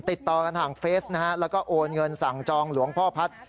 ติดต่อกันทางเฟสนะฮะแล้วก็โอนเงินสั่งจองหลวงพ่อพัฒน์